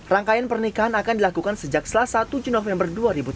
rangkaian pernikahan akan dilakukan sejak selasa tujuh november dua ribu tujuh belas